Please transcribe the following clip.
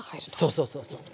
そうそうそうそう。